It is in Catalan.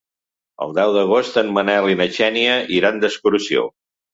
El deu d'agost en Manel i na Xènia iran d'excursió.